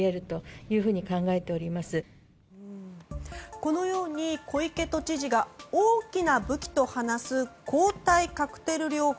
このように、小池都知事が大きな武器と話す抗体カクテル療法。